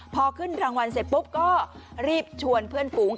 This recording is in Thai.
พอขึ้นรางวัลเสร็จปุ๊บก็รีบชวนเพื่อนฝูง